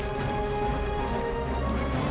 assalamualaikum warahmatullahi wabarakatuh